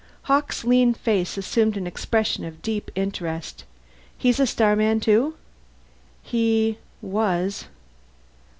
Hawkes' lean face assumed an expression of deep interest. "He's a starman too?" "He was."